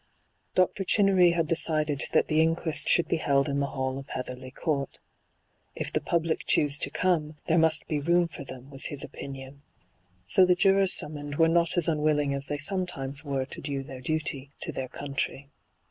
Dr. Chinnery had decided that the inquest should be held in the hall of Heatherly Court. ' If the public choose to come, there inust be room for them,' was his opinion. So the jurors summoned were not as unwilling as they sometimes were to do their duty to their country.